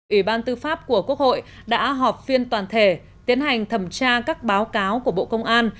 ủy ban tư pháp của quốc hội đã họp phiên toàn thể tiến hành thẩm tra các báo cáo của bộ công an